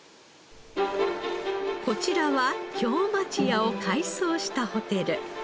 こちらは京町家を改装したホテル。